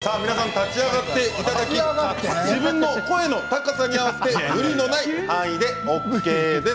さあ皆さん立ち上がっていただき自分の声の高さに合わせて無理のない範囲でＯＫです。